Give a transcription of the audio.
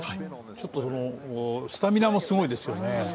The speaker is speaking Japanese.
ちょっとスタミナもすごいですよね。